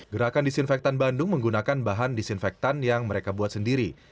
gerakan disinfektan bandung menggunakan bahan disinfektan yang mereka buat sendiri